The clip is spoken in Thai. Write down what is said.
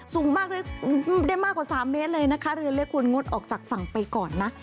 สูงมากได้มากกว่า๓เมตรเลยนะคะเรือเล็กควรงดออกจากฝั่งไปก่อนนะ